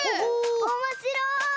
おもしろい！